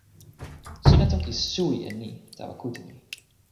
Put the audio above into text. sina toki suwi e ni tawa kute mi.